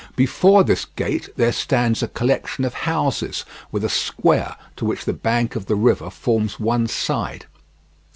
Before this gate there stands a collection of houses with a square to which the bank of the river forms one side.